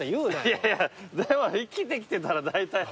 いやいやでも生きてきてたらだいたい。